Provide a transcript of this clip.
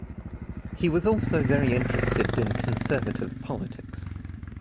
He was also very interested in Conservative politics.